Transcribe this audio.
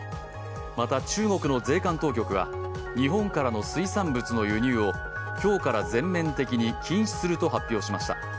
また、中国の税関当局は日本からの水産物の輸入を今日から全面的に禁止すると発表しました。